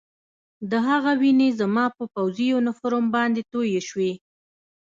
د هغه وینې زما په پوځي یونیفورم باندې تویې شوې